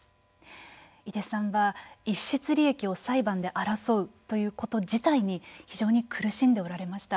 井出さんは、逸失利益を裁判で争うということ自体に非常に苦しんでおられました。